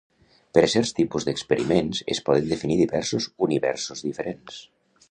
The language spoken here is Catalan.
Per a certs tipus d'experiments, es poden definir diversos universos diferents.